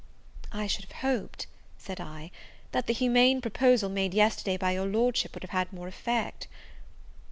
"I should have hoped," said I, "that the humane proposal made yesterday by your Lordship, would have had more effect."